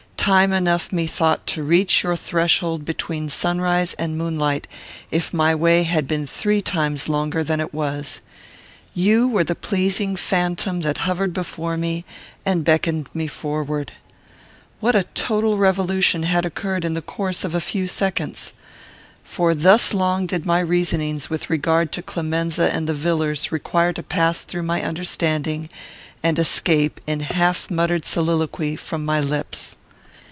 Time enough, methought, to reach your threshold between sunrise and moonlight, if my way had been three times longer than it was. You were the pleasing phantom that hovered before me and beckoned me forward. What a total revolution had occurred in the course of a few seconds! for thus long did my reasonings with regard to Clemenza and the Villars require to pass through my understanding, and escape, in half muttered soliloquy, from my lips.